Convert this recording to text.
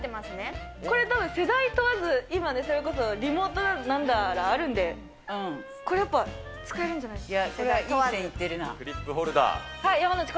これたぶん世代問わず、今、それこそリモートだなんだあるんで、これやっぱり、使えるんじゃないですか。